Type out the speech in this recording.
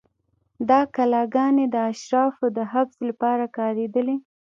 دا کلاګانې د اشرافو د حبس لپاره کارېدلې.